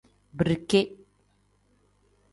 Birike.